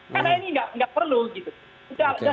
label tempel anda yang paling paling itu sudah selesai